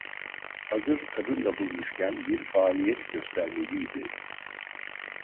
Hazır kadın da bulunmuşken, bir faaliyet göstermeliydi.